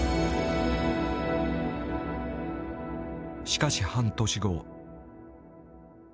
しかし半年後。